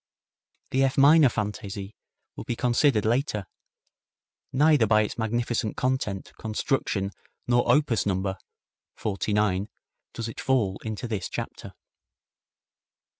The F minor Fantaisie will be considered later. Neither by its magnificent content, construction nor opus number (49) does it fall into this chapter.